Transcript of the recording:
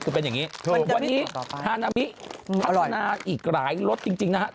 คือเป็นอย่างนี้วันนี้ฮานามิพัฒนาอีกหลายรสจริงนะครับ